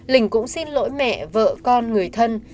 lình cũng xin lỗi mẹ vợ con người thân